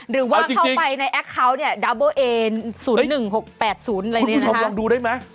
หรือว่าเข้าไปในแอคคาวต์เนี่ยดับเบอร์เอศูนย์หนึ่งหกแปดศูนย์อะไรนี้นะฮะคุณผู้ชมลองดูได้ไหม